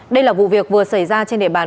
đây là vụ việc vừa xảy ra trên địa bàn